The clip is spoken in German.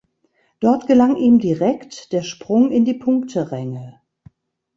Dort gelang ihm direkt der Sprung in die Punkteränge.